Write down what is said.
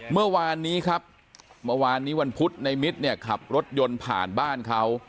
เมื่อวานนี้ครับเมื่อวานนี้วันพุธในมิตรเนี่ยขับรถยนต์ผ่านบ้านเขา